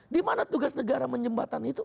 dimana tugas negara menyembatani itu